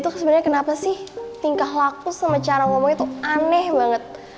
sebenernya kenapa sih tingkah laku sama cara ngomong itu aneh banget